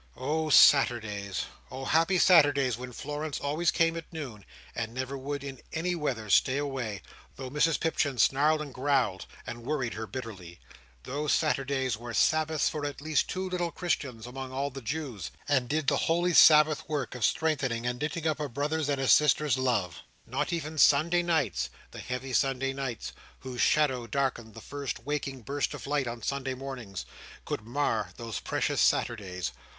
Oh Saturdays! Oh happy Saturdays, when Florence always came at noon, and never would, in any weather, stay away, though Mrs Pipchin snarled and growled, and worried her bitterly. Those Saturdays were Sabbaths for at least two little Christians among all the Jews, and did the holy Sabbath work of strengthening and knitting up a brother's and a sister's love. Not even Sunday nights—the heavy Sunday nights, whose shadow darkened the first waking burst of light on Sunday mornings—could mar those precious Saturdays.